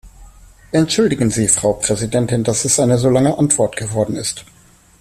Entschuldigen Sie, Frau Präsidentin, dass es eine so lange Antwort geworden ist.